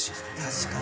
確かに。